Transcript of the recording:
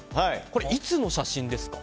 これ、いつの写真ですか？